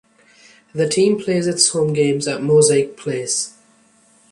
The team plays its home games at Mosaic Place.